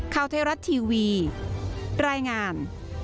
ข้าวเทราะห์ทีวีรายงาน